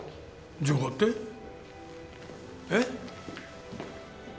情報って？えっ？